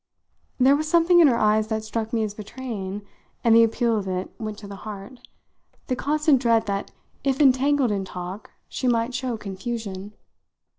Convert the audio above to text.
There was something in her eyes that struck me as betraying and the appeal of it went to the heart the constant dread that if entangled in talk she might show confusion.